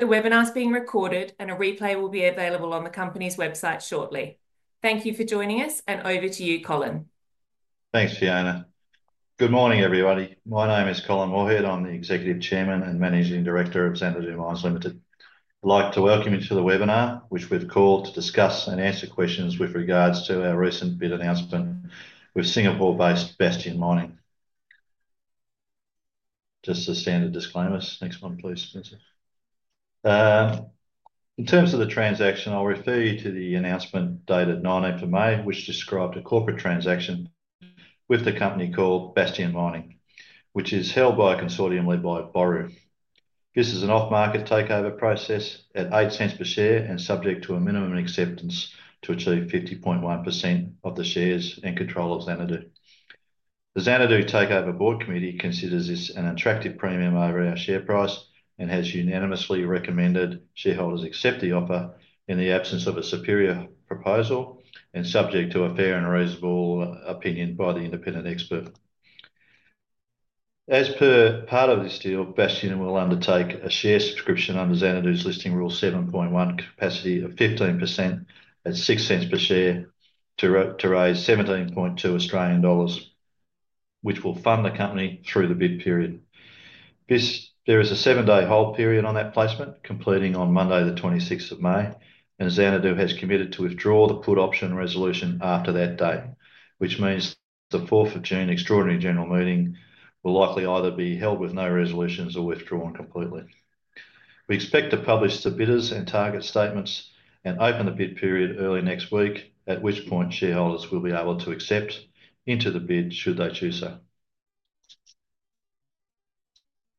The webinar is being recorded, and a replay will be available on the company's website shortly. Thank you for joining us, and over to you, Colin. Thanks, Fiona. Good morning, everybody. My name is Colin Moorhead. I'm the Executive Chairman and Managing Director of Xanadu Mines Ltd. I'd like to welcome you to the webinar, which we've called to discuss and answer questions with regards to our recent bid announcement with Singapore-based Bastion Mining. Just the standard disclaimers. Next one, please, Spencer. In terms of the transaction, I'll refer you to the announcement dated 9 April, which described a corporate transaction with the company called Bastion Mining, which is held by a consortium led by Boroo. This is an off-market takeover process at 0.08 per share and subject to a minimum acceptance to achieve 50.1% of the shares and control of Xanadu. The Xanadu Takeover Bid Committee considers this an attractive premium over our share price and has unanimously recommended shareholders accept the offer in the absence of a superior proposal and subject to a fair and reasonable opinion by the independent expert. As per part of this deal, Bastion will undertake a share subscription under Xanadu's Listing Rule 7.1, capacity of 15% at 0.06 per share to raise 17.2 million Australian dollars, which will fund the company through the bid period. There is a seven-day hold period on that placement, completing on Monday, the 26th of May, and Xanadu has committed to withdraw the put option resolution after that date, which means the 4th of June extraordinary general meeting will likely either be held with no resolutions or withdrawn completely. We expect to publish the bidders and target statements and open the bid period early next week, at which point shareholders will be able to accept into the bid should they choose so.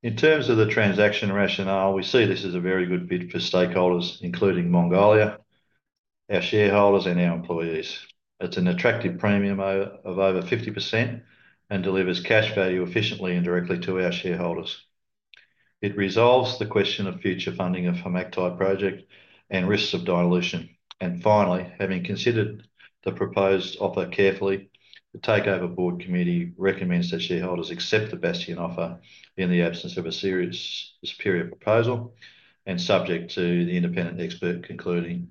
In terms of the transaction rationale, we see this as a very good bid for stakeholders, including Mongolia, our shareholders, and our employees. It's an attractive premium of over 50% and delivers cash value efficiently and directly to our shareholders. It resolves the question of future funding of the Kharmagtai Project and risks of dilution. Finally, having considered the proposed offer carefully, the Takeover Bid Committee recommends that shareholders accept the Bastion offer in the absence of a serious superior proposal and subject to the independent expert concluding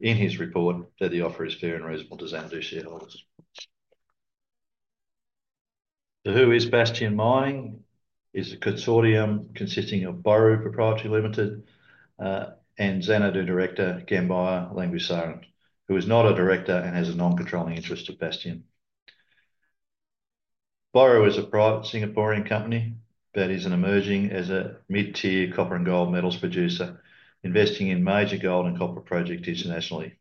in his report that the offer is fair and reasonable to Xanadu shareholders. So who is Bastion Mining? It's a consortium consisting of Boroo Proprietary Limited and Xanadu Director Ganbayar Ikhagvasuren, who is not a director and has a non-controlling interest to Bastion. Boroo is a private Singaporean company that is emerging as a mid-tier copper and gold metals producer, investing in major gold and copper projects internationally.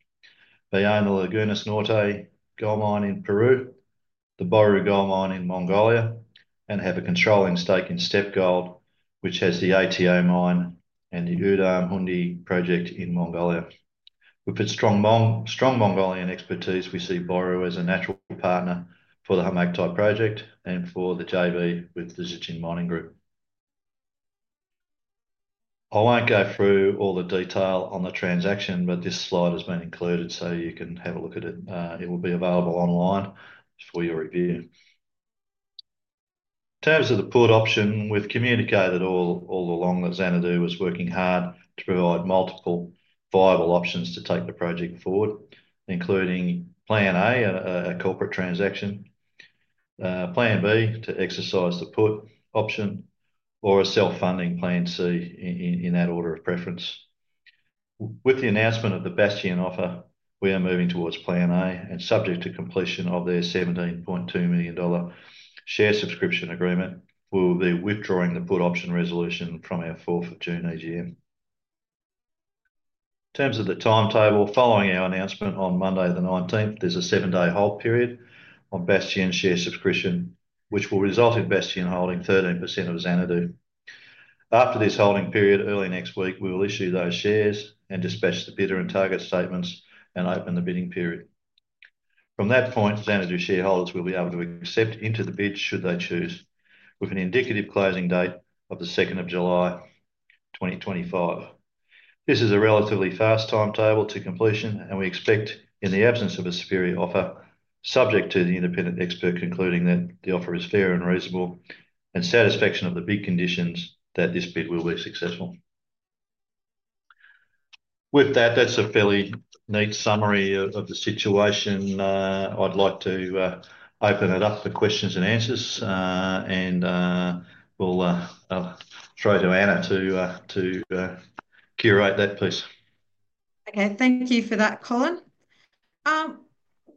They own the Lagunas Norte gold mine in Peru, the Boroo Gold Mine in Mongolia, and have a controlling stake in Steppe Gold, which has the ATO mine and the Uudam Khundii project in Mongolia. With its strong Mongolian expertise, we see Boroo as a natural partner for the Kharmagtai Project and for the JV with the Zijin Mining Group. I won't go through all the detail on the transaction, but this slide has been included, so you can have a look at it. It will be available online for your review. In terms of the put option, we've communicated all along that Xanadu was working hard to provide multiple viable options to take the project forward, including Plan A, a corporate transaction; Plan B, to exercise the put option; or a self-funding Plan C, in that order of preference. With the announcement of the Bastion offer, we are moving towards Plan A and subject to completion of their AUD 17.2 million share subscription agreement. We will be withdrawing the put option resolution from our 4th of June AGM. In terms of the timetable, following our announcement on Monday, the 19th, there's a seven-day hold period on Bastion's share subscription, which will result in Bastion holding 13% of Xanadu. After this holding period, early next week, we will issue those shares and dispatch the bidder and target statements and open the bidding period. From that point, Xanadu shareholders will be able to accept into the bid should they choose, with an indicative closing date of the 2nd of July 2025. This is a relatively fast timetable to completion, and we expect, in the absence of a superior offer, subject to the independent expert concluding that the offer is fair and reasonable and satisfaction of the bid conditions, that this bid will be successful. With that, that's a fairly neat summary of the situation. I'd like to open it up for questions and answers, and we'll throw to Anna to curate that, please. Okay. Thank you for that, Colin.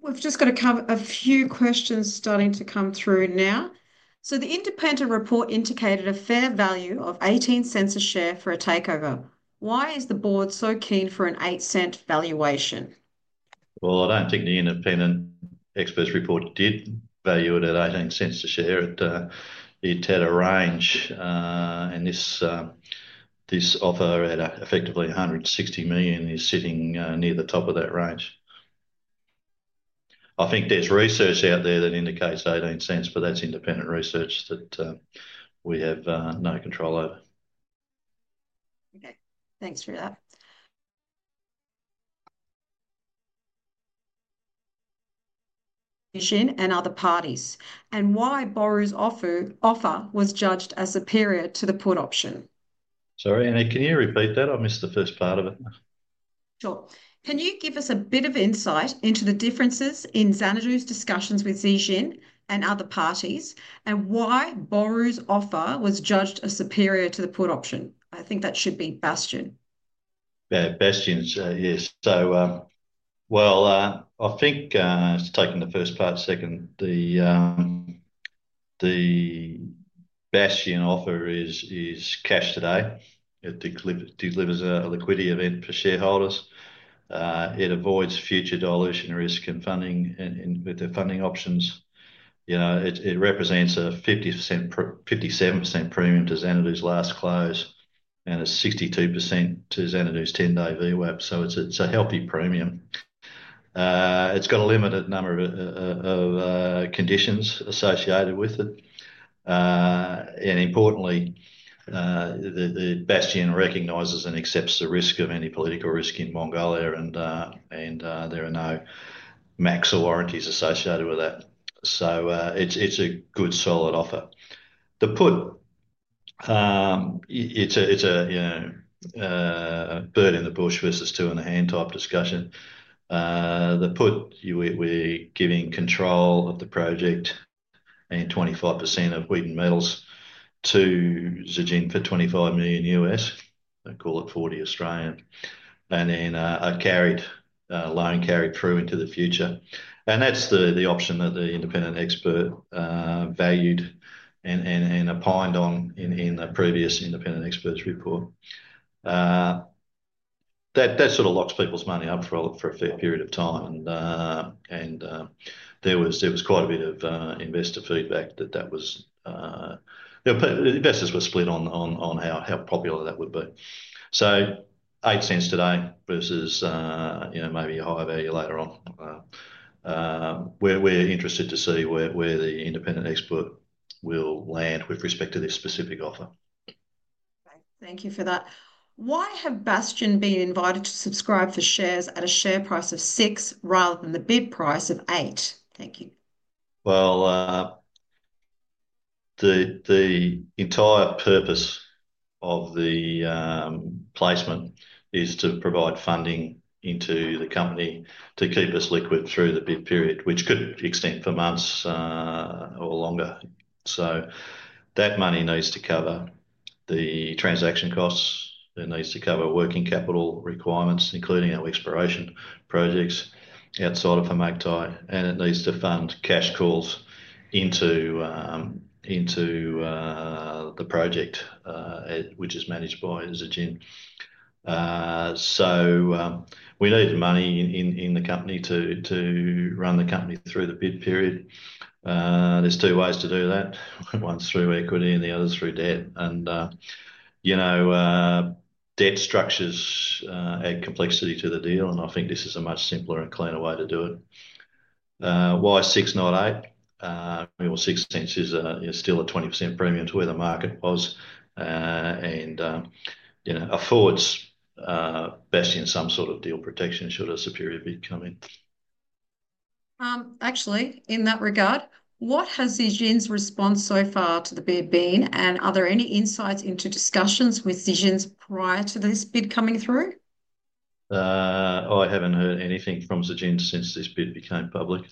We've just got to cover a few questions starting to come through now. So the independent report indicated a fair value of 0.18 a share for a takeover. Why is the board so keen for an 0.08 valuation? I don't think the independent expert's report did value it at 0.18 a share. It had a range, and this offer at effectively 160 million is sitting near the top of that range. I think there's research out there that indicates 0.18, but that's independent research that we have no control over. Okay. Thanks for that. Zijin and other parties. Why Boroo's offer was judged as superior to the put option? Sorry, Anna, can you repeat that? I missed the first part of it. Sure. Can you give us a bit of insight into the differences in Xanadu's discussions with Zijin and other parties, and why Boroo's offer was judged as superior to the put option? I think that should be Bastion. Bastion, yes. I think taking the first part, second, the Bastion offer is cash today. It delivers a liquidity event for shareholders. It avoids future dilution risk in funding with the funding options. It represents a 57% premium to Xanadu's last close and a 62% to Xanadu's 10-day VWAP. It's a healthy premium. It's got a limited number of conditions associated with it. Importantly, Bastion recognizes and accepts the risk of any political risk in Mongolia, and there are no MACs or warranties associated with that. It's a good solid offer. The put, it's a bird in the bush versus two-in-the-hand type discussion. The put, we're giving control of the project and 25% of Khuiten Metals to Zijin for $25 million, call it 40 million. And then a loan carried through into the future. That's the option that the independent expert valued and opined on in the previous independent expert's report. That sort of locks people's money up for a fair period of time. There was quite a bit of investor feedback that investors were split on how popular that would be. 0.08 today versus maybe a higher value later on. We're interested to see where the independent expert will land with respect to this specific offer. Okay. Thank you for that. Why have Bastion been invited to subscribe for shares at a share price of 0.06 rather than the bid price of 0.08? Thank you. The entire purpose of the placement is to provide funding into the company to keep us liquid through the bid period, which could extend for months or longer. That money needs to cover the transaction costs. It needs to cover working capital requirements, including our exploration projects outside of Kharmagtai, and it needs to fund cash calls into the project, which is managed by Zijin. We need money in the company to run the company through the bid period. There are two ways to do that. One is through equity and the other is through debt. Debt structures add complexity to the deal, and I think this is a much simpler and cleaner way to do it. Why 0.06, not 0.08? 0.06 is still a 20% premium to where the market was. It affords Bastion some sort of deal protection should a superior bid come in. Actually, in that regard, what has Zijin's response so far to the bid been, and are there any insights into discussions with Zijin prior to this bid coming through? I haven't heard anything from Zijin since this bid became public.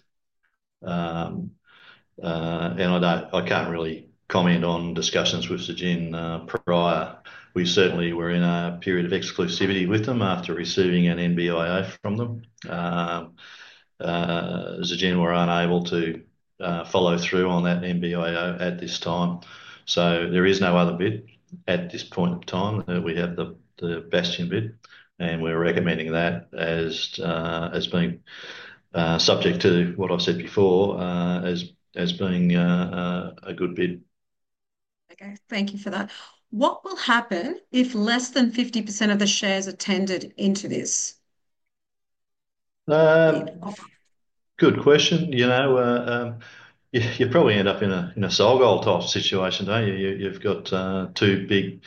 I can't really comment on discussions with Zijin prior. We certainly were in a period of exclusivity with them after receiving an NBIO from them. Zijin were unable to follow through on that NBIO at this time. There is no other bid at this point in time. We have the Bastion bid, and we're recommending that as being subject to what I've said before as being a good bid. Okay. Thank you for that. What will happen if less than 50% of the shares are tendered into this bid offer? Good question. You probably end up in a sole gold type situation, don't you? You've got two big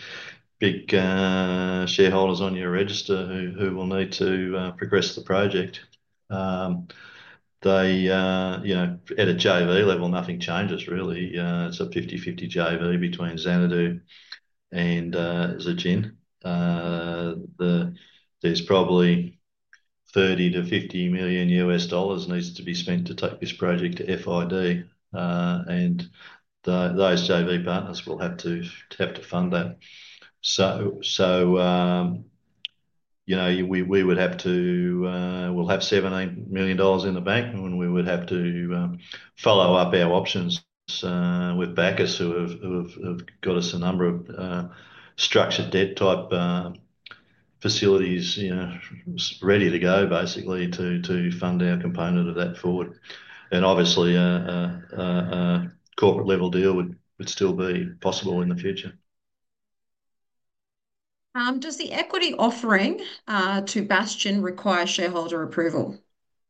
shareholders on your register who will need to progress the project. At a JV level, nothing changes, really. It's a 50/50 JV between Xanadu and Zijin. There's probably $30 million-$50 million needs to be spent to take this project to FID, and those JV partners will have to fund that. We would have $17 million in the bank, and we would have to follow up our options with backers who have got us a number of structured debt type facilities ready to go, basically, to fund our component of that forward. Obviously, a corporate-level deal would still be possible in the future. Does the equity offering to Bastion require shareholder approval?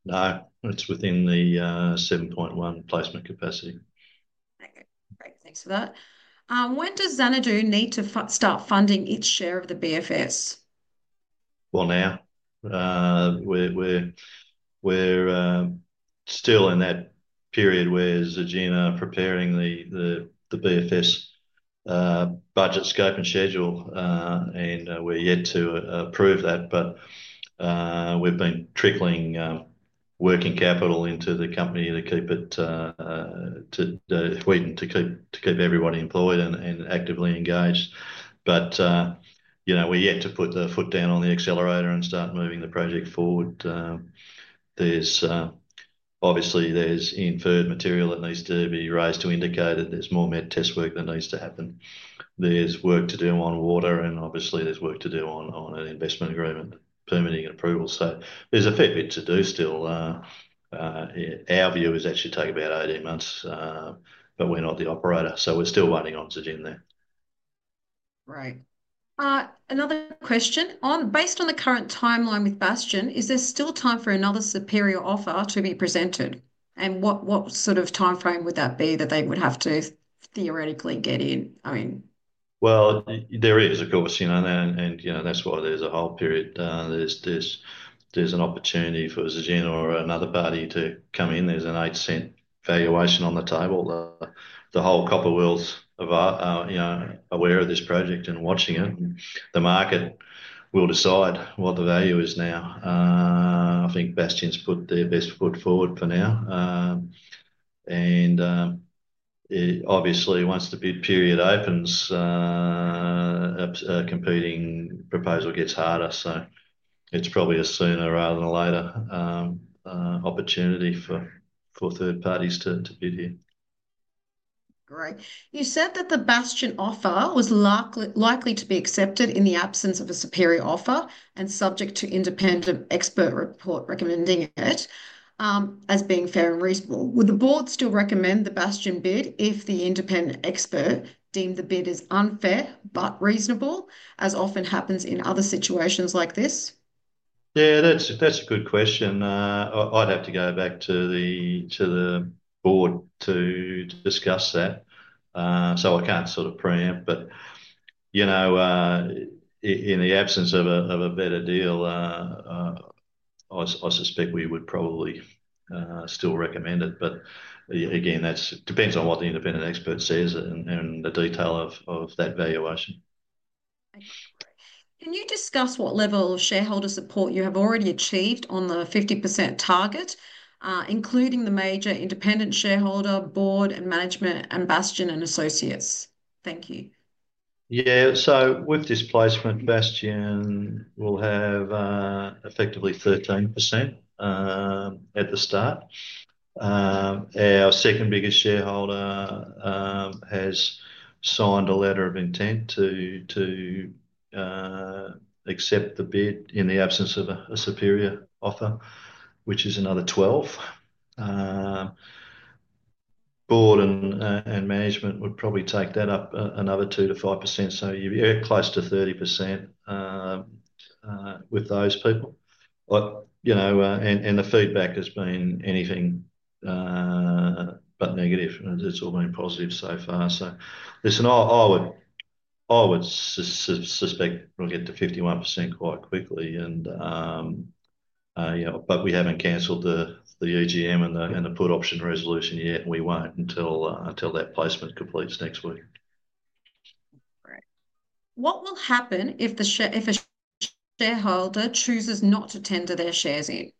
No. It's within the 7.1 placement capacity. Okay. Great. Thanks for that. When does Xanadu need to start funding its share of the BFS? We are still in that period where Zijin are preparing the BFS budget scope and schedule, and we're yet to approve that. We've been trickling working capital into the company to keep it wheat and to keep everybody employed and actively engaged. We're yet to put the foot down on the accelerator and start moving the project forward. Obviously, there's inferred material that needs to be raised to indicate that there's more met test work that needs to happen. There's work to do on water, and obviously, there's work to do on an investment agreement, permitting, and approval. There's a fair bit to do still. Our view is that it should take about 18 months, but we're not the operator, so we're still waiting on Zijin there. Right. Another question. Based on the current timeline with Bastion, is there still time for another superior offer to be presented? What sort of timeframe would that be that they would have to theoretically get in? I mean. There is, of course, and that's why there's a hold period. There's an opportunity for Zijin or another party to come in. There's an 0.08 valuation on the table. The whole copper world's aware of this project and watching it. The market will decide what the value is now. I think Bastion's put their best foot forward for now. Obviously, once the bid period opens, a competing proposal gets harder. It is probably a sooner rather than a later opportunity for third parties to bid here. Great. You said that the Bastion offer was likely to be accepted in the absence of a superior offer and subject to independent expert report recommending it as being fair and reasonable. Would the board still recommend the Bastion bid if the independent expert deemed the bid is unfair but reasonable, as often happens in other situations like this? Yeah, that's a good question. I'd have to go back to the board to discuss that. I can't sort of preempt. In the absence of a better deal, I suspect we would probably still recommend it. Again, that depends on what the independent expert says and the detail of that valuation. Can you discuss what level of shareholder support you have already achieved on the 50% target, including the major independent shareholder, board, and management, and Bastion and associates? Thank you. Yeah. So with this placement, Bastion will have effectively 13% at the start. Our second biggest shareholder has signed a letter of intent to accept the bid in the absence of a superior offer, which is another 12%. Board and management would probably take that up another 2%-5%. You are close to 30% with those people. The feedback has been anything but negative. It has all been positive so far. Listen, I would suspect we will get to 51% quite quickly. We have not cancelled the EGM and the put option resolution yet, and we will not until that placement completes next week. Great. What will happen if a shareholder chooses not to tender their shares in?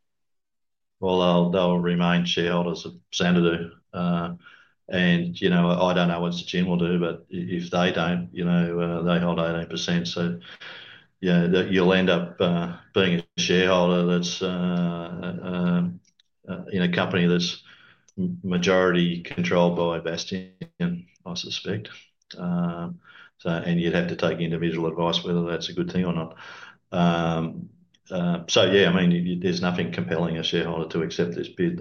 They'll remain shareholders of Xanadu. I don't know what Zijin will do, but if they don't, they hold 18%. You will end up being a shareholder in a company that's majority controlled by Bastion, I suspect. You'd have to take individual advice whether that's a good thing or not. Yeah, I mean, there's nothing compelling a shareholder to accept this bid.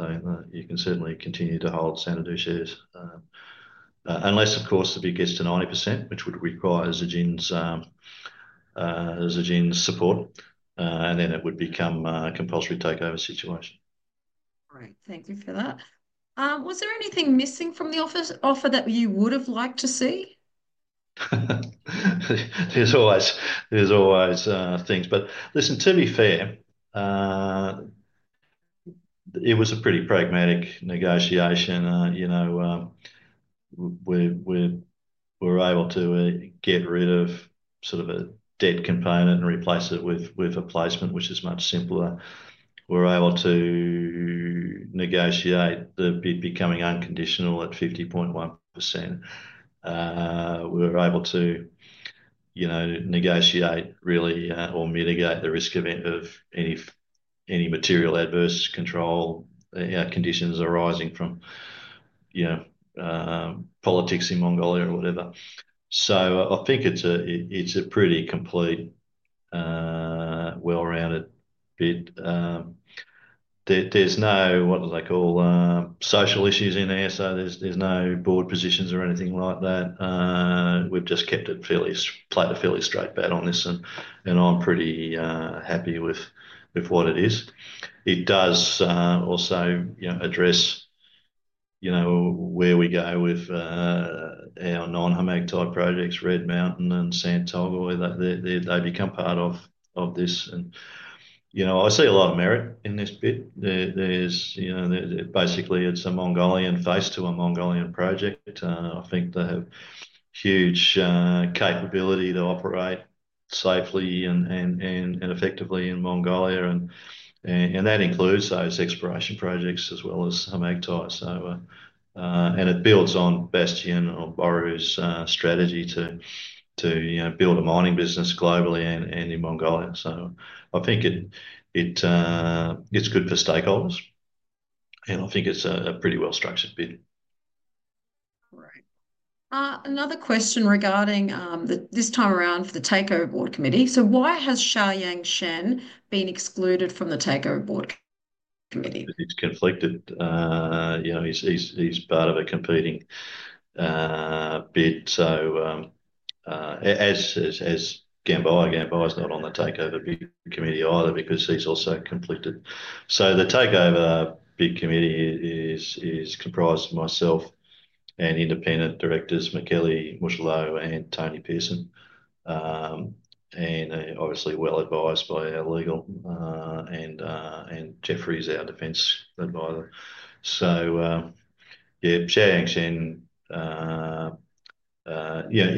You can certainly continue to hold Xanadu shares. Unless, of course, the bid gets to 90%, which would require Zijin's support, and then it would become a compulsory takeover situation. Great. Thank you for that. Was there anything missing from the offer that you would have liked to see? There's always things. But listen, to be fair, it was a pretty pragmatic negotiation. We were able to get rid of sort of a debt component and replace it with a placement, which is much simpler. We were able to negotiate the bid becoming unconditional at 50.1%. We were able to negotiate really or mitigate the risk of any material adverse control conditions arising from politics in Mongolia or whatever. I think it's a pretty complete, well-rounded bid. There's no, what do they call, social issues in there. There's no board positions or anything like that. We've just kept it fairly straight back on this, and I'm pretty happy with what it is. It does also address where we go with our non-Kharmagtai type projects, Red Mountain and Sant Tolgoi. They become part of this. I see a lot of merit in this bid. Basically, it's a Mongolian face to a Mongolian project. I think they have huge capability to operate safely and effectively in Mongolia. That includes those exploration projects as well as Kharmagtai types. It builds on Bastion or Boroo's strategy to build a mining business globally and in Mongolia. I think it's good for stakeholders, and I think it's a pretty well-structured bid. Great. Another question regarding this time around for the takeover board committee. Why has Shaoyang Shen been excluded from the Takeover Board Committee? It's conflicted. He's part of a competing bid. As is Ganbayar. Ganbayar's not on the takeover committee either because he's also conflicted. The takeover bid committee is comprised of myself and independent directors, Mackey, Muscillo, and Tony Pearson. Obviously, well advised by our legal. Jeffrey's our defense adviser. Shaoyang Shen,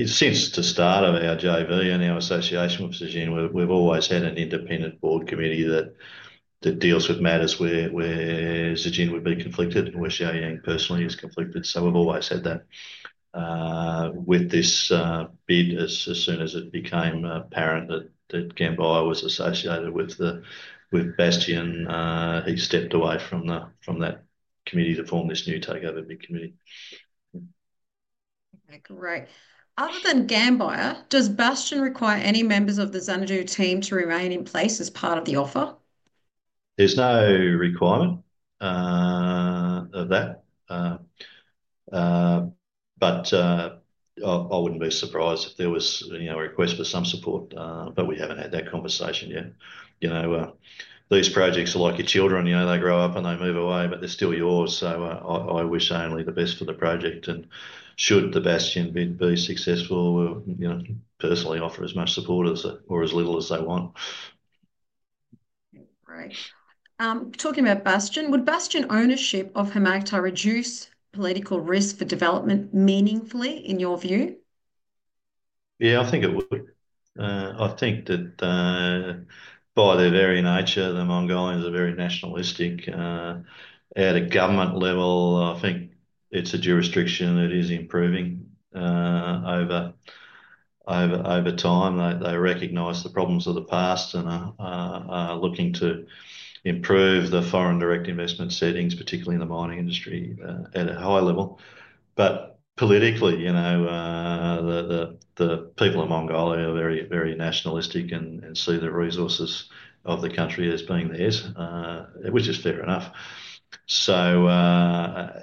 since the start of our JV and our association with Zijin, we've always had an independent board committee that deals with matters where Zijin would be conflicted and where Shaoyang personally is conflicted. We've always had that. With this bid, as soon as it became apparent that Ganbayar was associated with Bastion, he stepped away from that committee to form this new takeover bid committee. Okay. Great. Other than Ganbayar, does Bastion require any members of the Xanadu team to remain in place as part of the offer? There's no requirement of that. I wouldn't be surprised if there was a request for some support, but we haven't had that conversation yet. These projects are like your children. They grow up and they move away, but they're still yours. I wish only the best for the project. Should the Bastion bid be successful, we'll personally offer as much support or as little as they want. Great. Talking about Bastion, would Bastion ownership of HMAC type reduce political risk for development meaningfully in your view? Yeah, I think it would. I think that by their very nature, the Mongolians are very nationalistic. At a government level, I think it's a jurisdiction that is improving over time. They recognize the problems of the past and are looking to improve the foreign direct investment settings, particularly in the mining industry at a high level. Politically, the people of Mongolia are very nationalistic and see the resources of the country as being theirs, which is fair enough.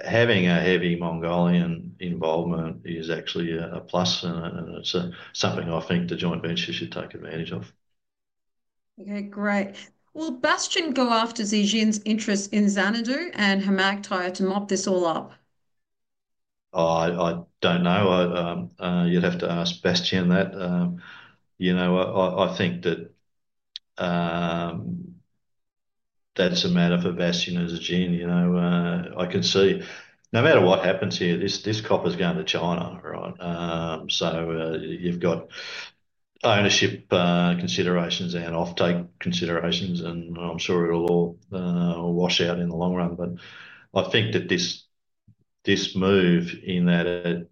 Having a heavy Mongolian involvement is actually a plus, and it's something I think the joint venture should take advantage of. Okay. Great. Will Bastion go after Zijin's interest in Xanadu and HMAC type to mop this all up? I don't know. You'd have to ask Bastion that. I think that that's a matter for Bastion and Zijin. I can see no matter what happens here, this copper's going to China, right? You have ownership considerations and offtake considerations, and I'm sure it'll all wash out in the long run. I think that this move in that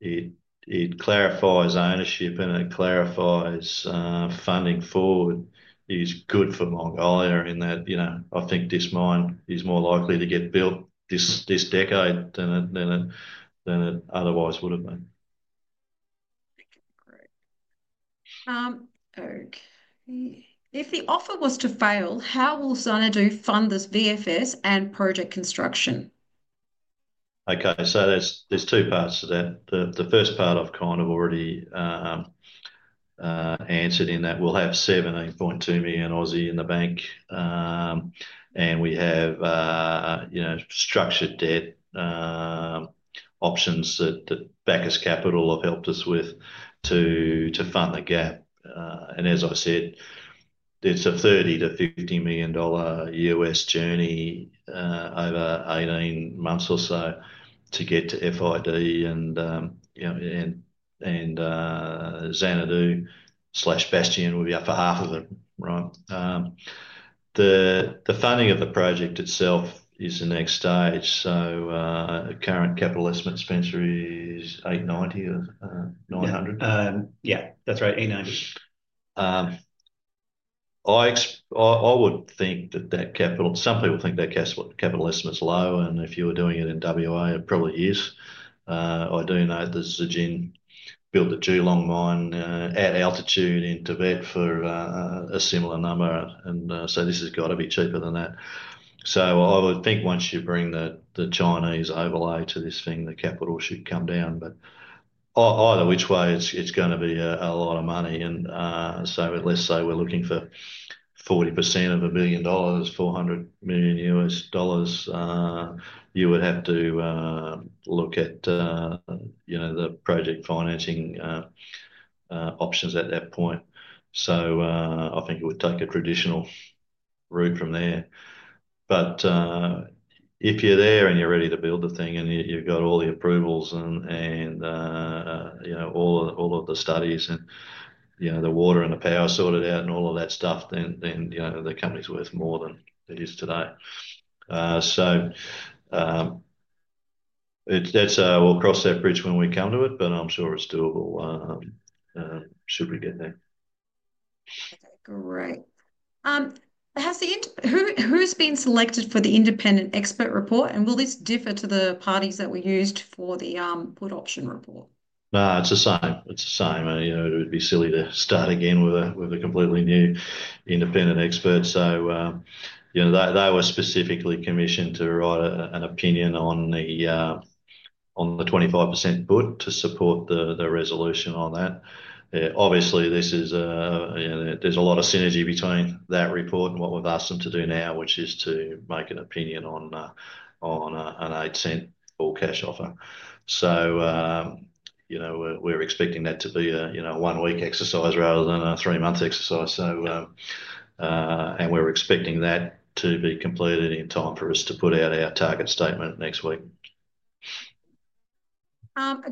it clarifies ownership and it clarifies funding forward is good for Mongolia in that I think this mine is more likely to get built this decade than it otherwise would have been. Okay. Great. Okay. If the offer was to fail, how will Xanadu fund this BFS and project construction? Okay. So there's two parts to that. The first part I've kind of already answered in that we'll have 17.2 million in the bank, and we have structured debt options that Bacchus Capital have helped us with to fund the gap. As I said, it's a $30 million-$50 million U.S. journey over 18 months or so to get to FID and Xanadu slash Bastion will be up for half of it, right? The funding of the project itself is the next stage. Current capital estimate expensory is 890 or 900? Yeah. That's right. 890. I would think that that capital, some people think that capital estimate's low, and if you were doing it in WA, it probably is. I do know that Zijin built a Qulong mine at altitude in Tibet for a similar number. This has got to be cheaper than that. I would think once you bring the Chinese overlay to this thing, the capital should come down. Either which way, it's going to be a lot of money. Let's say we're looking for 40% of a billion dollars, $400 million, you would have to look at the project financing options at that point. I think it would take a traditional route from there. If you're there and you're ready to build the thing and you've got all the approvals and all of the studies and the water and the power sorted out and all of that stuff, then the company's worth more than it is today. We'll cross that bridge when we come to it, but I'm sure it's doable should we get there. Okay. Great. Who's been selected for the independent expert report? Will this differ to the parties that were used for the put option report? No, it's the same. It's the same. It would be silly to start again with a completely new independent expert. They were specifically commissioned to write an opinion on the 25% put to support the resolution on that. Obviously, there's a lot of synergy between that report and what we've asked them to do now, which is to make an opinion on an 0.08 all cash offer. We're expecting that to be a one-week exercise rather than a three-month exercise. We're expecting that to be completed in time for us to put out our target statement next week.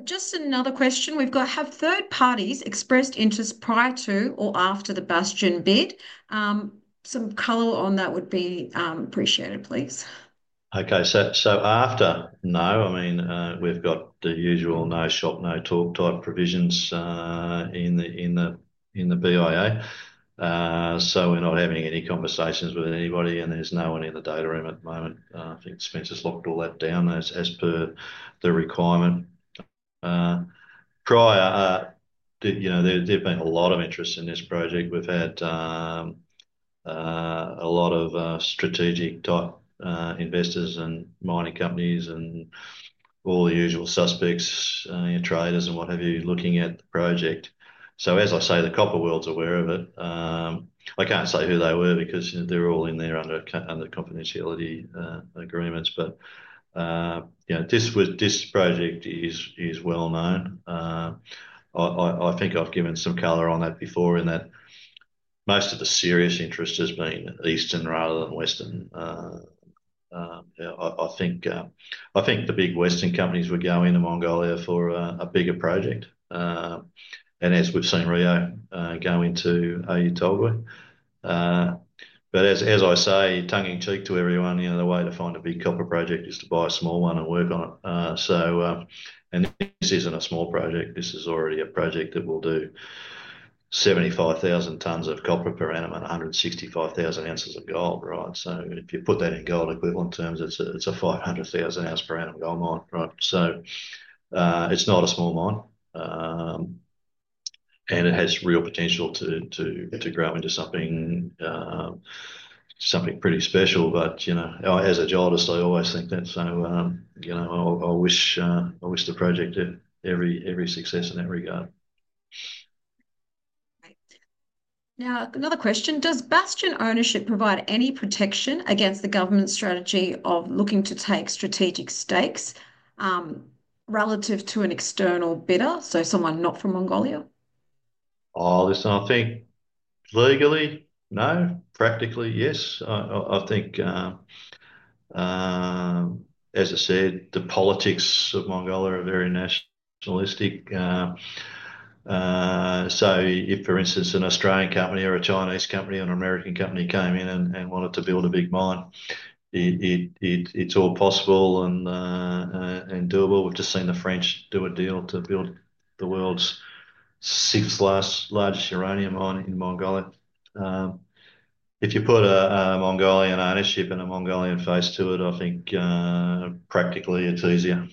Just another question we've got. Have third parties expressed interest prior to or after the Bastion bid? Some color on that would be appreciated, please. Okay. After, no. I mean, we've got the usual no shop, no talk type provisions in the BIA. We're not having any conversations with anybody, and there's no one in the data room at the moment. I think Spencer's locked all that down as per the requirement. Prior, there's been a lot of interest in this project. We've had a lot of strategic type investors and mining companies and all the usual suspects, traders, and what have you looking at the project. As I say, the copper world's aware of it. I can't say who they were because they're all in there under confidentiality agreements. This project is well known. I think I've given some color on that before in that most of the serious interest has been Eastern rather than Western. I think the big Western companies were going to Mongolia for a bigger project. As we have seen Rio going to Oyu Tolgoi. I say, tongue in cheek to everyone, the way to find a big copper project is to buy a small one and work on it. This is not a small project. This is already a project that will do 75,000 tons of copper per annum and 165,000 oz of gold, right? If you put that in gold equivalent terms, it is a 500,000 oz per annum gold mine, right? It is not a small mine. It has real potential to grow into something pretty special. As a geologist, I always think that. I wish the project every success in that regard. Okay. Now, another question. Does Bastion ownership provide any protection against the government's strategy of looking to take strategic stakes relative to an external bidder? Someone not from Mongolia? I think legally, no. Practically, yes. I think, as I said, the politics of Mongolia are very nationalistic. If, for instance, an Australian company or a Chinese company or an American company came in and wanted to build a big mine, it is all possible and doable. We have just seen the French do a deal to build the world's sixth largest uranium mine in Mongolia. If you put a Mongolian ownership and a Mongolian face to it, I think practically it is easier.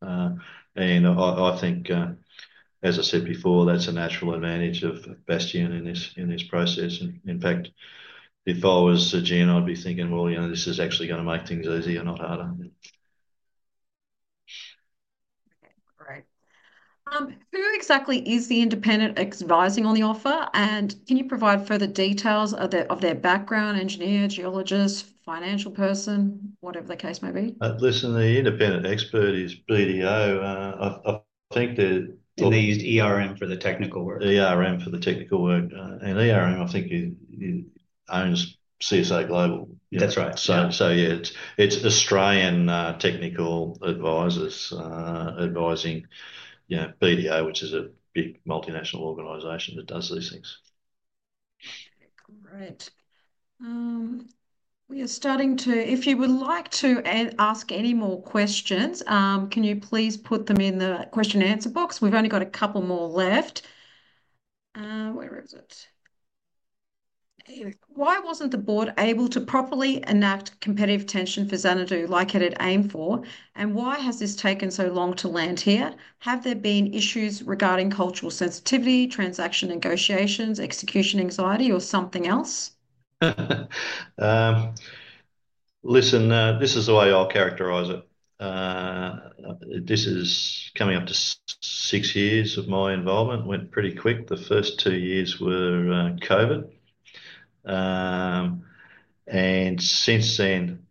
I think, as I said before, that is a natural advantage of Bastion in this process. In fact, if I was Zijin, I would be thinking, "Well, this is actually going to make things easier, not harder. Okay. Great. Who exactly is the independent advising on the offer? And can you provide further details of their background, engineer, geologist, financial person, whatever the case may be? Listen, the independent expert is BDO. I think they're. They used ERM for the technical work. ERM for the technical work. I think, owns CSA Global. That's right. Yeah, it's Australian technical advisors advising BDO, which is a big multinational organization that does these things. Okay. Great. We are starting to—if you would like to ask any more questions, can you please put them in the question and answer box? We've only got a couple more left. Where is it? Why wasn't the board able to properly enact competitive tension for Xanadu like it had aimed for? Why has this taken so long to land here? Have there been issues regarding cultural sensitivity, transaction negotiations, execution anxiety, or something else? Listen, this is the way I'll characterise it. This is coming up to six years of my involvement. It went pretty quick. The first two years were COVID. Since then,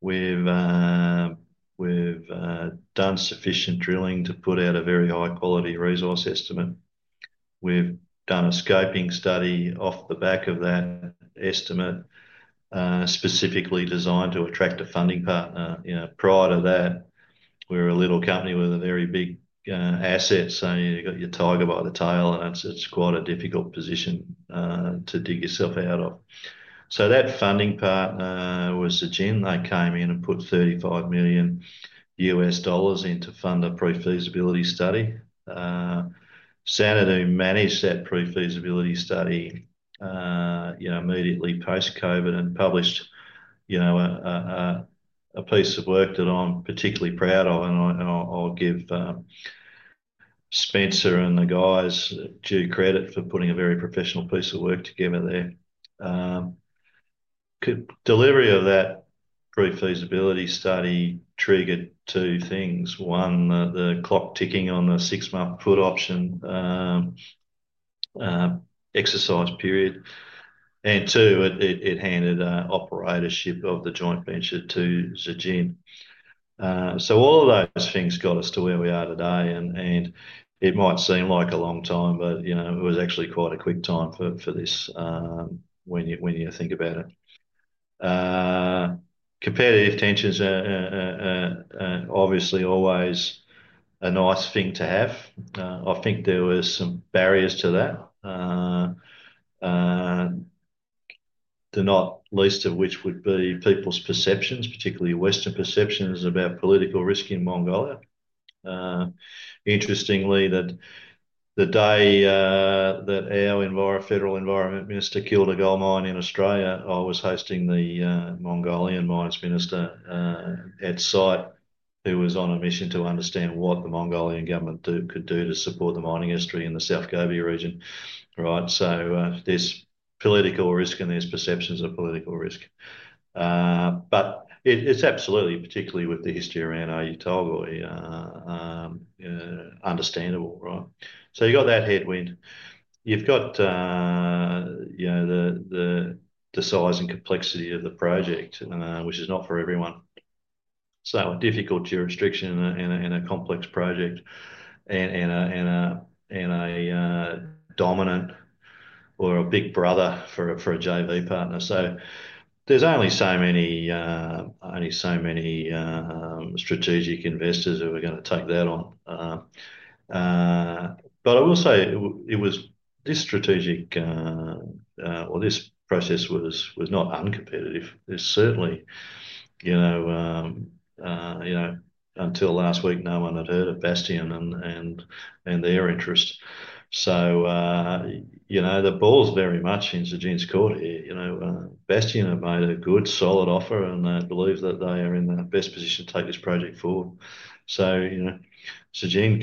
we've done sufficient drilling to put out a very high-quality resource estimate. We've done a scoping study off the back of that estimate, specifically designed to attract a funding partner. Prior to that, we were a little company with a very big asset. You have your tiger by the tail, and it's quite a difficult position to dig yourself out of. That funding partner was Zijin. They came in and put $35 million in to fund a proof feasibility study. Xanadu managed that proof feasibility study immediately post-COVID and published a piece of work that I'm particularly proud of. I'll give Spencer and the guys due credit for putting a very professional piece of work together there. Delivery of that proof feasibility study triggered two things. One, the clock ticking on the six-month put option exercise period. Two, it handed operatorship of the joint venture to Zijin. All of those things got us to where we are today. It might seem like a long time, but it was actually quite a quick time for this when you think about it. Competitive tension is obviously always a nice thing to have. I think there were some barriers to that, not least of which would be people's perceptions, particularly Western perceptions about political risk in Mongolia. Interestingly, the day that our federal environment minister killed a gold mine in Australia, I was hosting the Mongolian Mines Minister at site who was on a mission to understand what the Mongolian government could do to support the mining industry in the South Gobi region, right? There is political risk, and there are perceptions of political risk. It is absolutely, particularly with the history around Oyu Tolgoi, understandable, right? You have that headwind. You have the size and complexity of the project, which is not for everyone. A difficult jurisdiction, a complex project, and a dominant or a big brother for a JV partner. There are only so many strategic investors who are going to take that on. I will say this strategic or this process was not uncompetitive. Certainly until last week, no one had heard of Bastion and their interest. The ball's very much in Zijin's court here. Bastion have made a good solid offer, and I believe that they are in the best position to take this project forward. Zijin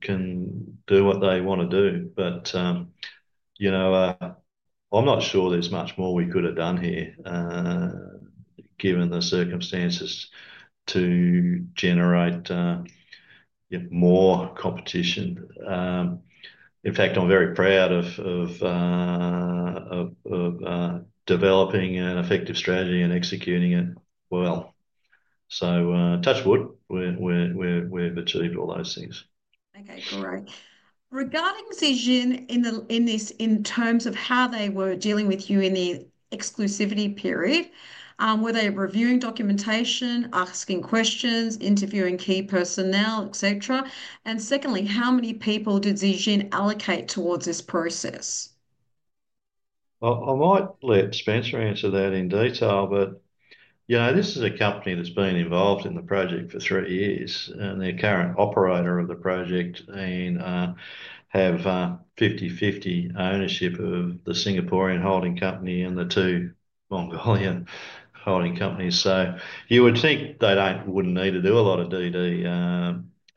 can do what they want to do. I'm not sure there's much more we could have done here given the circumstances to generate more competition. In fact, I'm very proud of developing an effective strategy and executing it well. Touch wood, we've achieved all those things. Okay. Great. Regarding Zijin in this, in terms of how they were dealing with you in the exclusivity period, were they reviewing documentation, asking questions, interviewing key personnel, etc.? And secondly, how many people did Zijin allocate towards this process? I might let Spencer answer that in detail, but this is a company that's been involved in the project for three years, and the current operator of the project have 50/50 ownership of the Singaporean holding company and the two Mongolian holding companies. You would think they wouldn't need to do a lot of DD.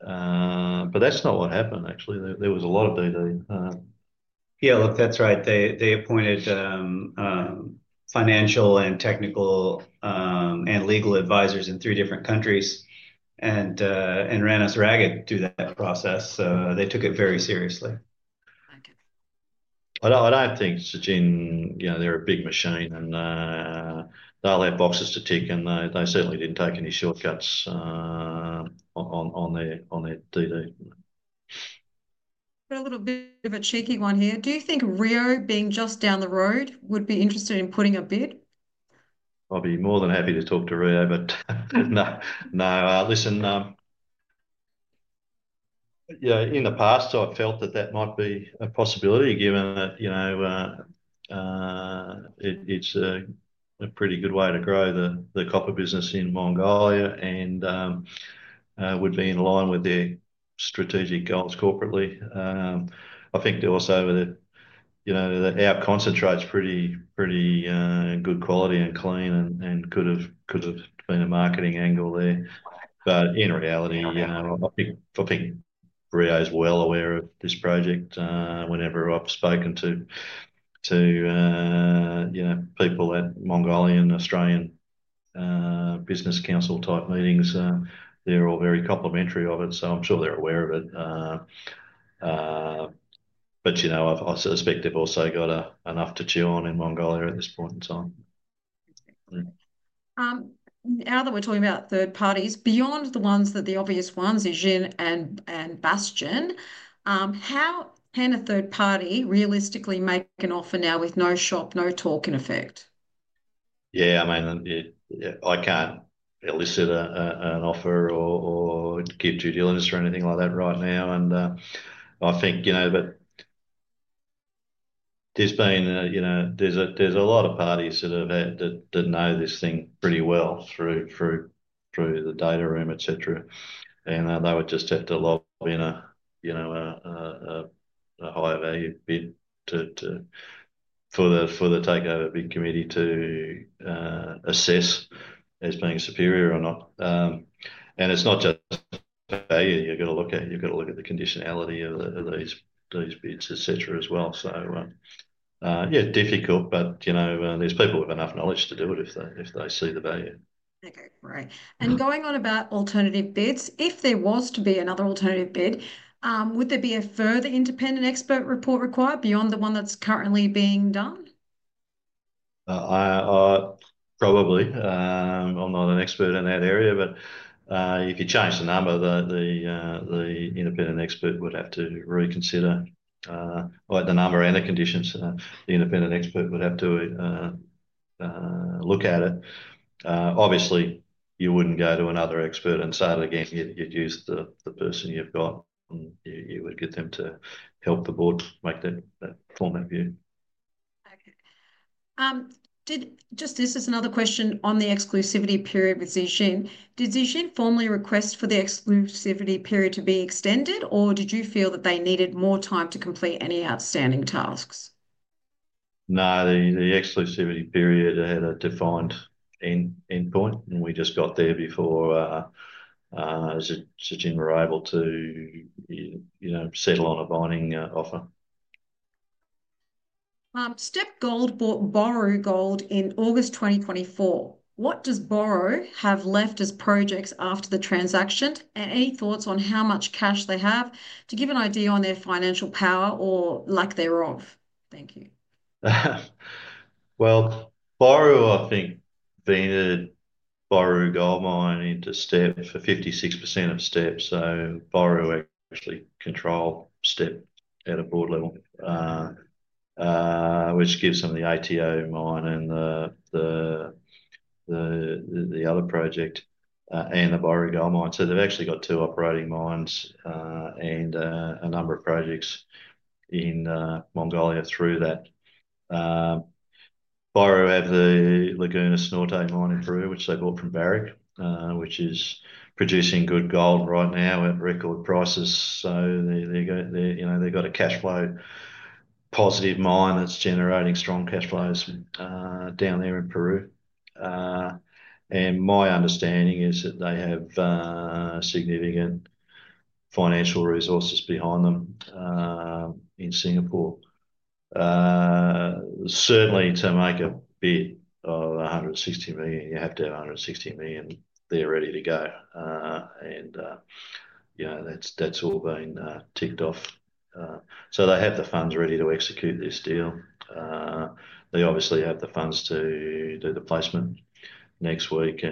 That's not what happened, actually. There was a lot of DD. Yeah. Look, that's right. They appointed financial and technical and legal advisors in three different countries and ran us ragged through that process. So they took it very seriously. I don't think Zijin, they're a big machine, and they'll have boxes to tick, and they certainly didn't take any shortcuts on their DD. Got a little bit of a cheeky one here. Do you think Rio, being just down the road, would be interested in putting a bid? I'll be more than happy to talk to Rio, but no. Listen, in the past, I felt that that might be a possibility given that it's a pretty good way to grow the copper business in Mongolia and would be in line with their strategic goals corporately. I think also that our concentrate's pretty good quality and clean and could have been a marketing angle there. In reality, I think Rio's well aware of this project. Whenever I've `to people at Mongolian Australian Business Council type meetings, they're all very complimentary of it. I'm sure they're aware of it. I suspect they've also got enough to chew on in Mongolia at this point in time. Now that we're talking about third parties, beyond the obvious ones, Zijin and Bastion, how can a third party realistically make an offer now with no shop, no talk in effect? Yeah. I mean, I can't elicit an offer or give due diligence or anything like that right now. I think there's been a lot of parties that know this thing pretty well through the data room, etc. They would just have to lob in a higher-value bid for the takeover bid committee to assess as being superior or not. It's not just value you've got to look at. You've got to look at the conditionality of these bids, etc., as well. Yeah, difficult, but there's people with enough knowledge to do it if they see the value. Okay. Great. Going on about alternative bids, if there was to be another alternative bid, would there be a further independent expert report required beyond the one that's currently being done? Probably. I'm not an expert in that area, but if you change the number, the independent expert would have to reconsider, or the number and the conditions. The independent expert would have to look at it. Obviously, you wouldn't go to another expert and say it again. You'd use the person you've got, and you would get them to help the board make that format view. Okay. Just this is another question on the exclusivity period with Zijin. Did Zijin formally request for the exclusivity period to be extended, or did you feel that they needed more time to complete any outstanding tasks? No. The exclusivity period had a defined endpoint, and we just got there before Zijin were able to settle on a binding offer. Gold bought Boroo Gold in August 2024. What does Boroo have left as projects after the transaction? Any thoughts on how much cash they have to give an idea on their financial power or lack thereof? Thank you. Boroo, I think, vented Boroo Gold Mine into Steppe for 56% of Steppe. Boroo actually controlled Steppe at a board level, which gives them the ATO Mine and the other project and the Boroo Gold Mine. They have actually got two operating mines and a number of projects in Mongolia through that. Boroo have the Lagunas Norte mine in Peru, which they bought from Barrick, which is producing good gold right now at record prices. They have got a cash flow positive mine that is generating strong cash flows down there in Peru. My understanding is that they have significant financial resources behind them in Singapore. Certainly, to make a bid of 160 million, you have to have 160 million there ready to go. That has all been ticked off. They have the funds ready to execute this deal. They obviously have the funds to do the placement next week.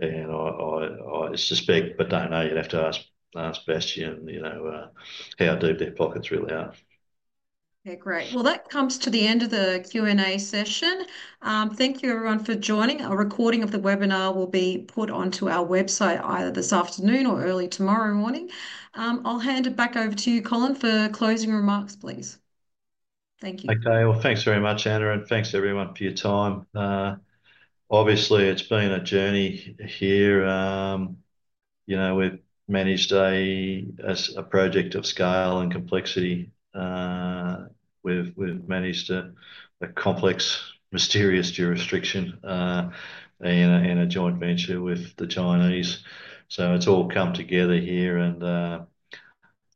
I suspect, but do not know, you would have to ask Bastion how deep their pockets really are. Okay. Great. That comes to the end of the Q&A session. Thank you, everyone, for joining. A recording of the webinar will be put onto our website either this afternoon or early tomorrow morning. I'll hand it back over to you, Colin, for closing remarks, please. Thank you. Okay. Thank you very much, Anna, and thanks everyone for your time. Obviously, it's been a journey here. We've managed a project of scale and complexity. We've managed a complex, mysterious jurisdiction in a joint venture with the Chinese. It has all come together here.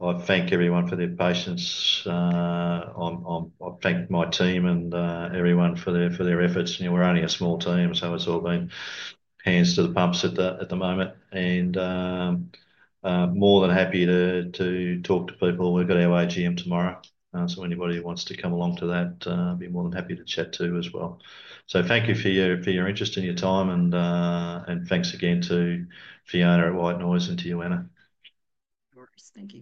I thank everyone for their patience. I thank my team and everyone for their efforts. We're only a small team, so it's all been hands to the pumps at the moment. I am more than happy to talk to people. We've got our AGM tomorrow. Anybody who wants to come along to that, I'll be more than happy to chat to as well. Thank you for your interest and your time. Thanks again to Fiona at White Noise and to you, Anna. Of course. Thank you.